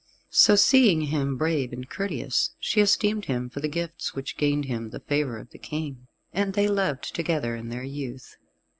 So seeing him brave and courteous, she esteemed him for the gifts which gained him the favour of the King, and they loved together in their youth.